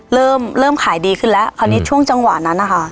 เริ่มเริ่มขายดีขึ้นแล้วคราวนี้ช่วงจังหวะนั้นนะคะ